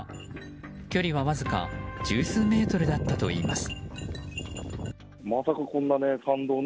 距離は、わずか十数メートルだったといいます。